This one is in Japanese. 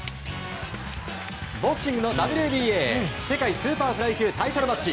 ボクシングのＷＢＡ世界スーパーフライ級タイトルマッチ。